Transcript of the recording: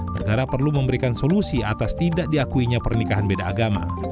negara perlu memberikan solusi atas tidak diakuinya pernikahan beda agama